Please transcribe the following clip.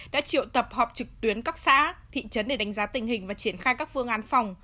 đã triệu tập họp trực tuyến các xã thị trấn để đánh giá tình hình và triển khai các phương án phòng